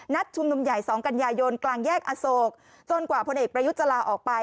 ชุมนุมใหญ่๒กันยายนกลางแยกอโศกจนกว่าพลเอกประยุทธ์จะลาออกไป